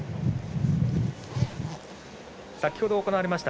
先ほど行われました